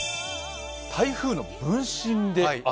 台風の分身で雨。